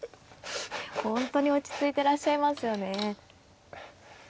本当に落ち着いてらっしゃいますよね。